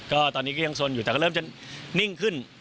ก็ตอนนี้ก็ยังสนอยู่แต่ก็เริ่มจะนิ่งขึ้น